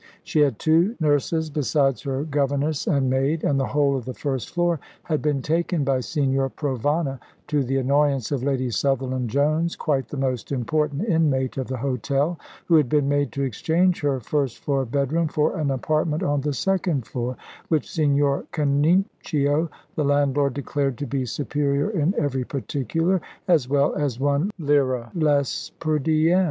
She had two nurses besides her governess and maid, and the whole of the first floor had been taken by Signor Provana, to the annoyance of Lady Sutherland Jones, quite the most important inmate of the hotel, who had been made to exchange her first floor bedroom for an apartment on the second floor, which Signor Canincio, the landlord, declared to be superior in every particular, as well as one lire less per diem.